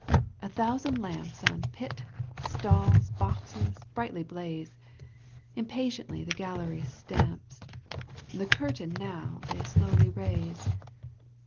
A thousaлd lamps On pit, stalls, boxes, brightly blaze, Impatiently the gallery stamps, The curtain now they slowly raise.